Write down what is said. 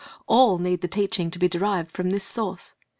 All need the teaching to be derived from this source.